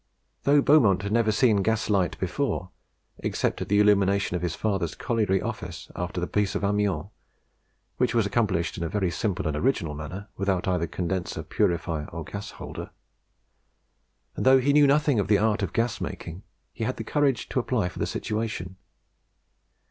Though Beaumont had never seen gaslight before, except at the illumination of his father's colliery office after the Peace of Amiens, which was accomplished in a very simple and original manner, without either condenser, purifier, or gas holder, and though he knew nothing of the art of gas making, he had the courage to apply for the situation.